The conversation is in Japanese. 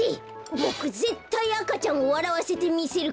ボクぜったい赤ちゃんをわらわせてみせるから。